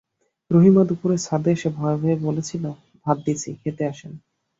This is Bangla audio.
রহিমা দুপুরে ছাদে এসে ভয়ে-ভয়ে বলেছিল, ভাত দিছি, খেতে আসেন।